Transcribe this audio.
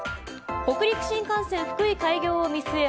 北陸新幹線福井開業を見据え